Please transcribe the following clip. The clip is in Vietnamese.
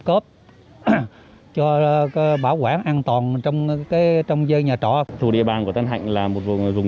cốp cho bảo quản an toàn trong cái trong dây nhà trọ thủ địa bàn của tân hạnh là một vùng dùng